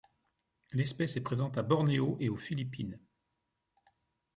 L'espèce est présente à Bornéo et aux Philippines.